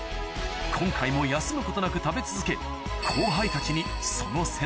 今回も休むことなく食べ続け